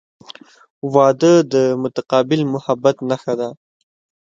• واده د متقابل محبت نښه ده.